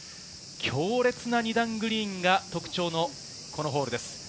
強烈な２段グリーンが特徴のこのホールです。